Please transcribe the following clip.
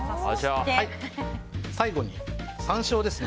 最後に山椒ですね。